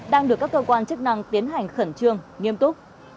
đang được các cơ quan chức năng tiến hành khẩn trương nghiêm túc